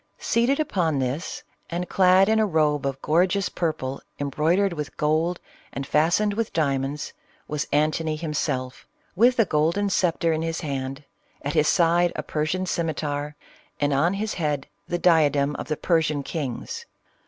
Seated upon this, and clad in a robe of gorgeous .purple embroidered with gold and fastened with diamonds, was Antony himself, with a golden sceptre in his hand, at his side a jrsian scimitar, and on his head the diadcrn of the Persian kings.